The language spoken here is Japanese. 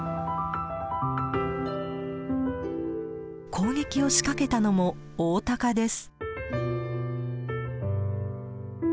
攻撃を仕掛けたのもオオタカです。